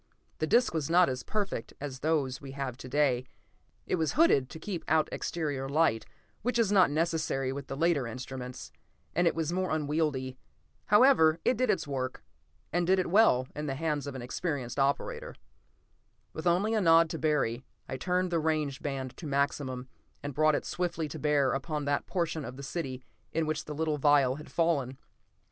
The disc was not as perfect as those we have to day; it was hooded to keep out exterior light, which is not necessary with the later instruments, and it was more unwieldy. However, it did its work, and did it well, in the hands of an experienced operator. With only a nod to Barry, I turned the range band to maximum, and brought it swiftly to bear upon that portion of the city in which the little vial had fallen.